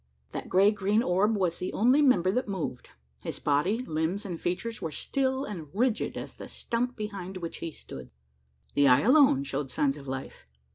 That grey green orb was the only member that moved: his body, limbs, and features were still and rigid, as the stump behind which he stood. The eye alone showed signs of life.